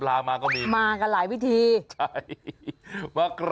สามวิติเหรอสามวิติเหรอ